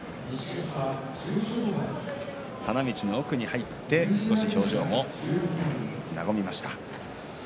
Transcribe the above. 花道の奥に入って少し表情も和みました。